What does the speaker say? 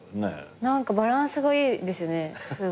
何かバランスがいいですよね。